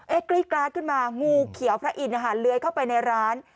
เอ๊ะกลี้กล้าดขึ้นมางูเขียวพระอินฮาลเลือยเข้าไปในร้าน